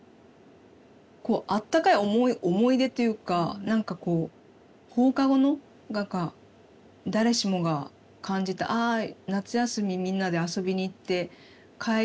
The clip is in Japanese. こうあったかい思い出というか何かこう放課後の何か誰しもが感じたあ夏休みみんなで遊びに行って帰り